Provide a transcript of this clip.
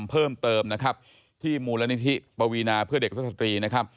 เพิ่มเติมที่มูลนิธิปวีนาเพื่อเด็กและสตรี